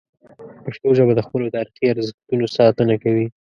پښتو ژبه د خپلو تاریخي ارزښتونو ساتنه کوي.